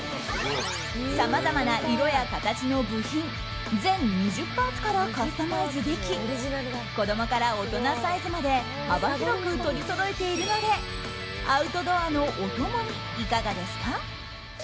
さまざまな色や形の部品全２０パーツからカスタマイズでき子供から大人サイズまで幅広く取りそろえているのでアウトドアのお供にいかがですか？